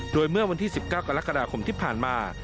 โดยเมื่อวันที่๑๙กรกฎาคมที่ผ่านมา